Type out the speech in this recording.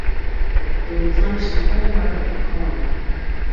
They replenished the whole market with corn.